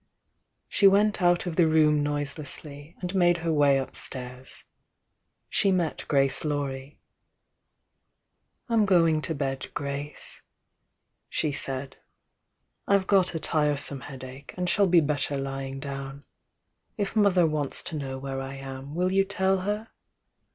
She went out of the room noiselessly, and made her way upstairs. She met Grace Laurie. "I'm going to bed, Grace," she said. "I've got a tiresome headache, and shall be better lying down. If mother wants to know where I am, will you tell her?"